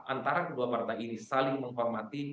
antara kedua partai ini saling menghormati